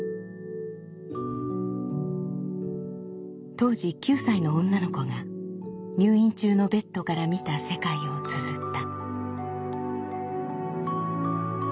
当時９歳の女の子が入院中のベッドから見た世界をつづった。